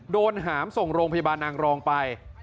โดนหามส่งโรงพยาบาลนางรองไป